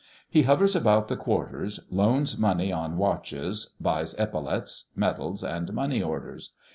He hovers about the quarters, loans money on watches, buys epaulets, medals, and money orders.